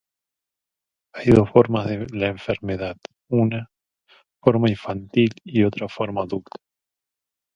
Hay dos formas de la enfermedad, una forma infantil y otra forma adulta.